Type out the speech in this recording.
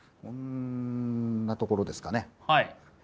こんなところですかね？